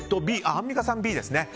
アンミカさんはＢですね。